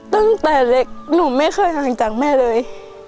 ตั้งแต่เล็กหนูไม่เคยห่างจากแม่เลย